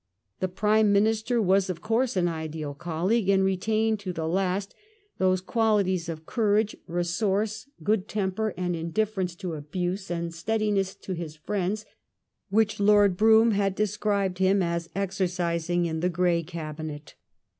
The Prime Minister was of course an ideal colleague, and retained to the last those qualities of courage, resource, good temper, indifierenoe to abuse, and steadiness to his friends, which Lort Brougham has described him as exercising in the Grey Cabinet.